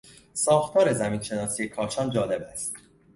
ساختار زمین شناسی کاشان جالب است.